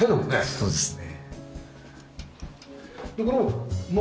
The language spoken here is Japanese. そうですね。